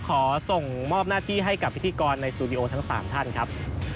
ขอส่งมอบหน้าที่ให้กับพิธีกรในสตูดิโอทั้ง๓ท่านครับ